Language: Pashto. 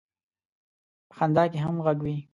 په خندا کې هم غږ وي.